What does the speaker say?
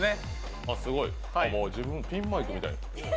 すごい、ピンマイクみたい。